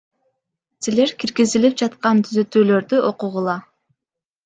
Силер киргизилип жаткан түзөтүүлөрдү окугула.